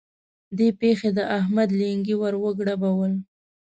دې پېښې د احمد لېنګي ور وګړبول.